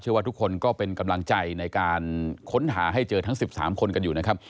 ว่าทุกคนก็เป็นกำลังใจในการค้นหาให้เจอทั้ง๑๓คนกันอยู่นะครับ